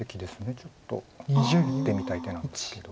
ちょっと打ってみたい手なんですけど。